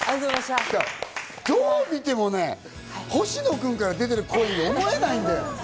どう見てもね、星野君から出てる声と思えないんだよ。